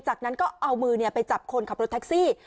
จากนั้นก็เอามือไปจับคนขับรถแท็กซี่